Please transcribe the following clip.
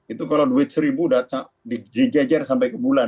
itu kalau duit rp satu sudah dijajar sampai ke bulan